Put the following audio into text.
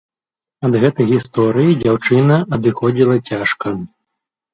Ад гэтай гісторыі дзяўчына адыходзіла цяжка.